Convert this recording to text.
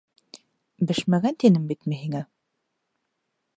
Бешмәгән, тинем бит мин һиңә!